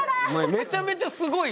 めちゃめちゃすごいよ。